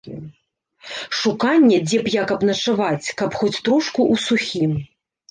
Шуканне, дзе б як абначаваць, каб хоць трошку ў сухім.